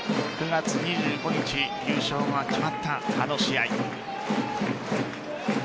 ９月２５日優勝が決まったあの試合。